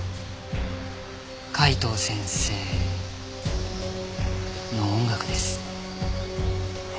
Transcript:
海東先生。の音楽です。は？